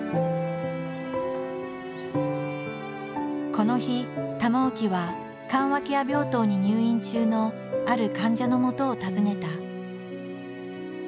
この日玉置は緩和ケア病棟に入院中のある患者のもとを訪ねた。